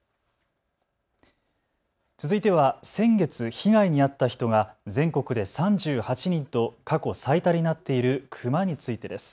続いては先月、被害に遭った人が全国で３８人と過去最多になっているクマについてです。